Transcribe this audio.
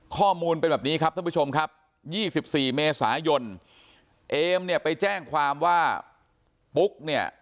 ข้อมูลเป็นแบบนี้ครับท่านผู้ชมครับ๒๔เมษายนเอมเนี่ยไปแจ้งความว่าปุ๊กเนี่ย